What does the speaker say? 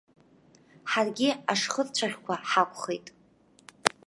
Ҳаргьы ашхырцәаӷьқәа ҳакәхеит.